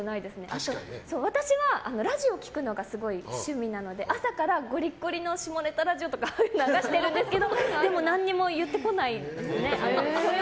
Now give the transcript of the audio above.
あと、私はラジオを聴くのがすごい趣味なので朝からゴリゴリの下ネタラジオとか流してるんですけど何も言ってこないですね。